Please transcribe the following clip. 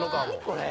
これ。